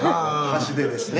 橋でですね。